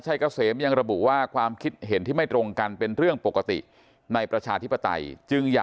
จะตัดสินโดยประชาชน